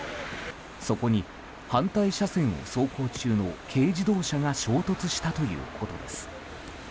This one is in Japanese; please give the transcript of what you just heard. そこに反対車線を走行中の軽自動車が衝突したということです。